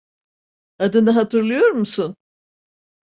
Adını hatırlıyor musun?